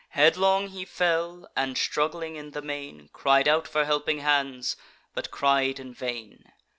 Headlong he fell, and, struggling in the main, Cried out for helping hands, but cried in vain.